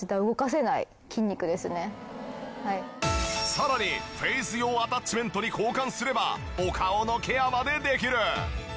さらにフェイス用アタッチメントに交換すればお顔のケアまでできる。